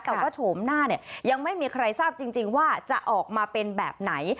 แต่ว่าโฉมหน้าเนี่ยยังไม่มีใครทราบจริงว่าจะออกมาเป็นแบบไหน